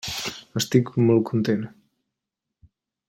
Estic molt content.